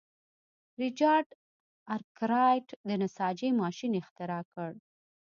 ریچارډ ارکرایټ د نساجۍ ماشین اختراع کړ.